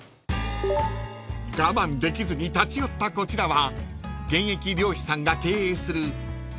［我慢できずに立ち寄ったこちらは］